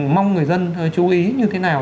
mong người dân chú ý như thế nào